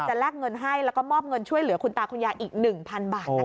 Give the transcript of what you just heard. แลกเงินให้แล้วก็มอบเงินช่วยเหลือคุณตาคุณยายอีก๑๐๐๐บาทนะคะ